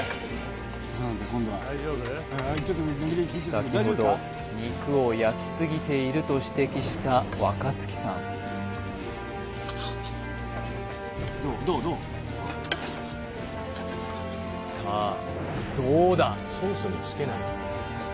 先ほど肉を焼きすぎていると指摘した若月さんさあどうだ？